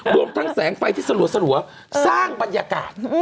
รวมทั้งแสงไฟที่สลัวสร้างบรรยากาศ